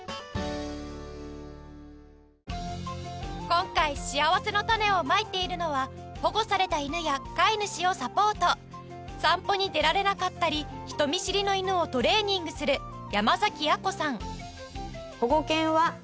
今回しあわせのたねをまいているのは保護された犬や飼い主をサポート散歩に出られなかったり人見知りの犬をトレーニングする山亜子さん